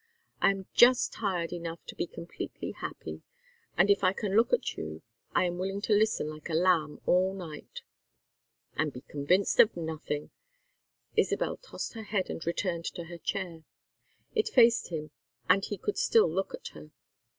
"I am just tired enough to be completely happy, and if I can look at you I am willing to listen like a lamb all night." "And be convinced of nothing." Isabel tossed her head and returned to her chair. It faced him and he could still look at her.